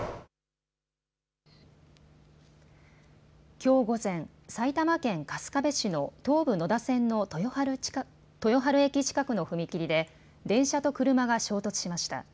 きょう午前、埼玉県春日部市の東武野田線の豊春駅近くの踏切で電車と車が衝突しました。